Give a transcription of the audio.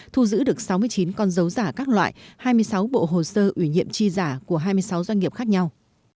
thu giữ được sáu mươi chín con dấu giả các loại hai mươi sáu bộ hồ sơ ủy nhiệm chi giả của hai mươi sáu doanh nghiệp khác nhau